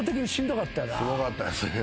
すごかったですね。